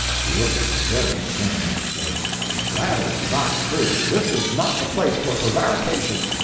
He looked at me very stern, and says— "That is not true; and this is not the place for prevarication.